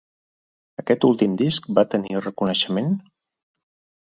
Aquest últim disc va tenir reconeixement?